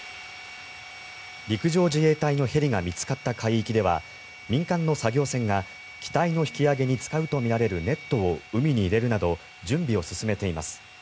陸上自衛隊のヘリが見つかった海域では民間の作業船が機体の引き揚げに使うとみられるネットを海に入れるなど準備を進めています。